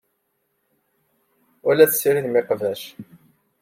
Ur la tessiridem iqbac.